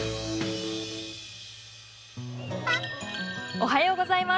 おはようございます。